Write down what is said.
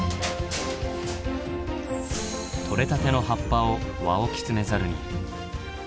とれたての葉っぱをワオキツネザルに。